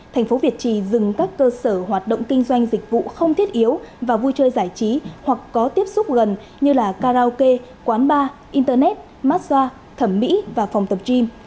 thành phố việt trì dừng các cơ sở hoạt động kinh doanh dịch vụ không thiết yếu và vui chơi giải trí hoặc có tiếp xúc gần như là karaoke quán bar internet massage thẩm mỹ và phòng tập gym